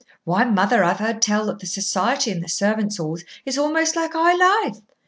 Why, mother, I've heard tell that the society in the servants' halls is almost like high life.